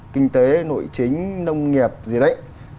kinh tế nội chính nông nghiệp gì đấy